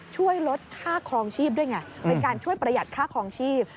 ช่วยลดค่าครองชีพด้วยไงเป็นการช่วยประหยัดค่าคลองชีพ